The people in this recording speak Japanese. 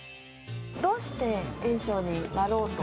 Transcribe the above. どうして園長になろうと。